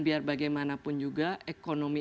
biar bagaimanapun juga ekonomi